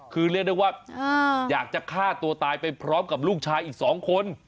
คือเรียกได้ว่าอยากจะฆ่าตัวตายไปพร้อมกับลูกชายอีก๒คน